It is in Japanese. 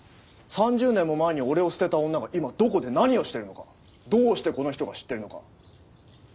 ３０年も前に俺を捨てた女が今どこで何をしてるのかどうしてこの人が知ってるのか。